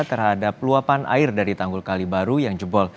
terhadap luapan air dari tanggul kalibaru yang jebol